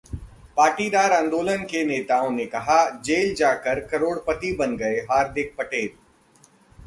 पाटीदार आंदोलन के नेताओं ने कहा- जेल जाकर करोड़पति बन गए हार्दिक पटेल